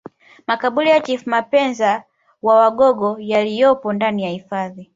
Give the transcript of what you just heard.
Makaburi ya Chifu Mapenza wa wagogo yaliyopo ndani ya hifadhi